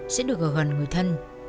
sẽ được ở gần người thân